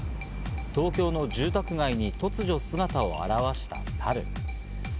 東京の住宅街に突如、姿を現したサル。